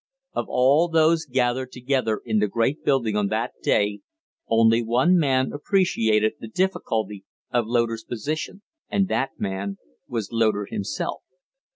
Of all those gathered together in the great building on that day, only one man appreciated the difficulty of Loder's position and that man was Loder himself.